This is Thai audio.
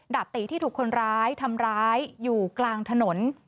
ตีที่ถูกคนร้ายทำร้ายอยู่กลางถนน